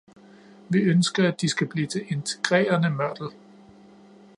Vi ønsker, at de skal blive til integrerende mørtel.